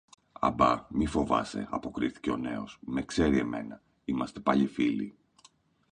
Α μπα, μη φοβάσαι, αποκρίθηκε ο νέος, με ξέρει εμένα, είμαστε παλιοί φίλοι